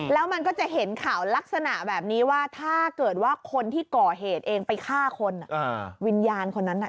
แล้วมันก็จะเห็นข่าวลักษณะแบบนี้ว่า